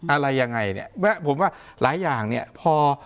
อะไรยังไงเนี่ยแวะผมว่าหลายอย่างเนี่ยพอ